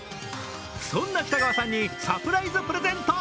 そんな北川さんにサプライズプレゼント。